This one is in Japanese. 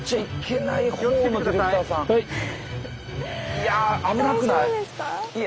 いや危なくない？